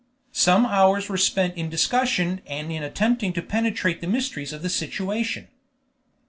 Some hours were spent in discussion and in attempting to penetrate the mysteries of the situation.